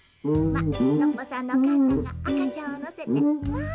ノッポさんのおかあさんがあかちゃんをのせて。